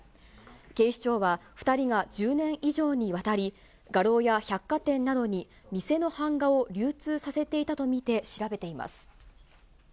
警視庁は、２人が１０年以上にわたり、画廊や百貨店などに偽の版画を流通させていたと見て、調べています。